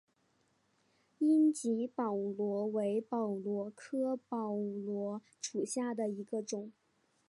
樱井宝螺为宝螺科宝螺属下的一个种。